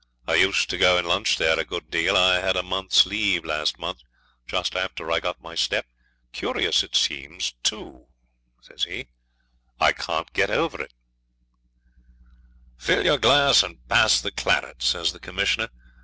"I used to go and lunch there a good deal. I had a month's leave last month, just after I got my step. Curious it seems, too," says he; "I can't get over it." '"Fill your glass and pass the claret," says the Commissioner.